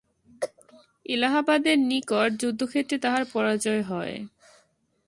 এলাহাবাদের নিকট যুদ্ধক্ষেত্রে তাঁহার পরাজয় হয়।